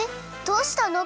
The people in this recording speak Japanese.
どうしたの？